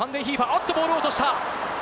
おっと、ボールを落とした！